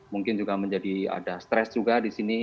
mungkin juga menjadi ada stres juga di sini